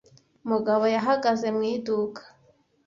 Mugabo yahagaze mu iduka